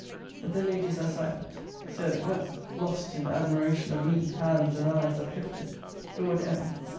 The Ladies are silent. So they were; lost in admiration of me, hands and eyes uplifted. Lord M.